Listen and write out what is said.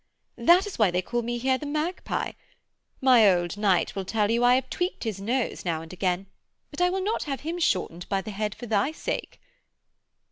That is why they call me here the Magpie. My old knight will tell you I have tweaked his nose now and again, but I will not have him shortened by the head for thy sake.'